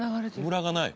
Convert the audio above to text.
ムラがない。